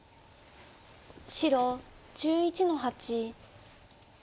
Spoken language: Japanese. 白１１の八。